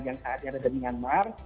yang saatnya ada jemingan mar